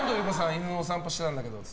犬のお散歩してたんだけどって。